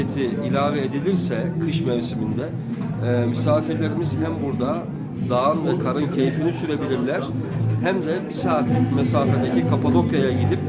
tanda tanda indonesia mereka bisa melihat tanda tanda sejarah di kayseri kapadokya